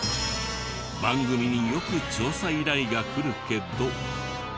番組によく調査依頼が来るけど。